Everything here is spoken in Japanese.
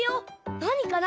なにかな？